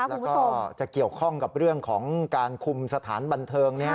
แล้วก็จะเกี่ยวข้องกับเรื่องของการคุมสถานบันเทิง